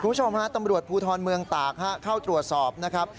คุณผู้ชมฮะตำรวจภูทรเมืองตากเข้าตรวจสอบนะครับ